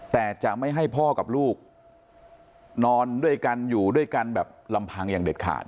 แต่จะไม่ให้พ่อกับลูกนอนด้วยกันอยู่ด้วยกันแบบลำพังอย่างเด็ดขาด